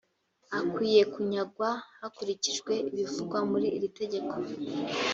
akwiye kunyagwa hakurikijwe ibivugwa muri iri tegeko